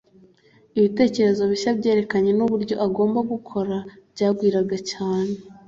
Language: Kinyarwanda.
ibitekerezo bishya byerekeranye n'uburyo agomba gukora byagwiraga cyane